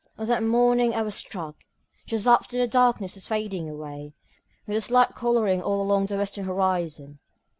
On that morning I was struck, just after the darkness was fading away, with a slight colouring all along the western horizon.